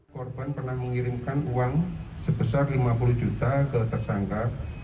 korban pernah mengirimkan uang sebesar lima puluh juta ke tersangka